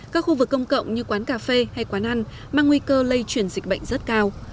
các khu vực công cộng như quán cà phê hay quán ăn mang nguy cơ lây truyền dịch bệnh rất cao